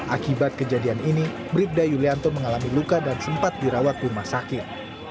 akibat kejadian ini bribda yulianto mengalami luka dan sempat dirawat rumah sakit